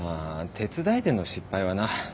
手伝いでの失敗はな。